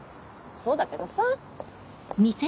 そうだけどさ。